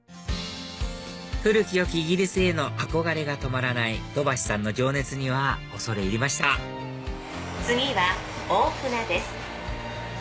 古きよきイギリスへの憧れが止まらない土橋さんの情熱には恐れ入りました次は大船です。